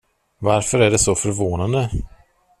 Varför är det så förvånande?